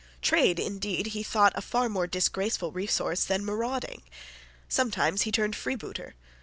Trade, indeed, he thought a far more disgraceful resource than marauding. Sometimes he turned freebooter.